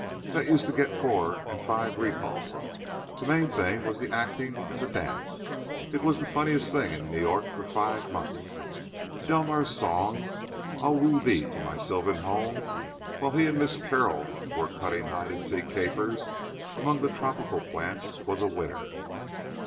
"That used to get four and five recalls. The main thing was the acting and the dance—it was the funniest thing in New York for five months. Delmars's song, 'I'll Woo Thee to My Sylvan Home,' while he and Miss Carroll were cutting hide and seek capers among the tropical plants, was a winner."